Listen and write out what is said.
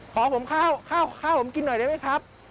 ขอผมข้าวข้าวผมกินหน่อยได้ไหมครับ